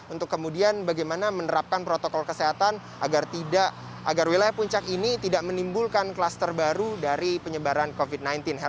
untuk kemudian bagaimana menerapkan protokol kesehatan agar wilayah puncak ini tidak menimbulkan kluster baru dari penyebaran covid sembilan belas